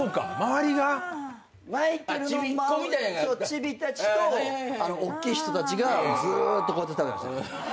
チビたちとおっきい人たちがずーっとこうやって食べてました。